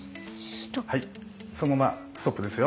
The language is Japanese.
そのままストップですよ。